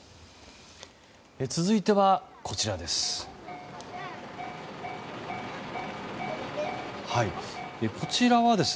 続いてはこちらです。